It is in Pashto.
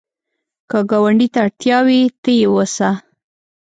که ګاونډي ته اړتیا وي، ته یې وسه